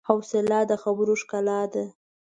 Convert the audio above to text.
حوصله د خبرو ښکلا ده.